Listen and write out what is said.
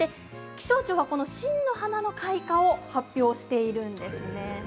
気象庁はこの真の花の開花を発表しているんです。